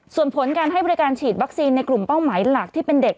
ส่วนผลการให้บริการฉีดวัคซีนในกลุ่มเป้าหมายหลักที่เป็นเด็ก